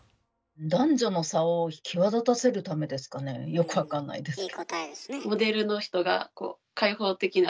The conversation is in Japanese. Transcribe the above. よく分かんないですけど。